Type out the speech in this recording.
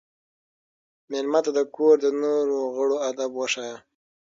مېلمه ته د کور د نورو غړو ادب وښایه.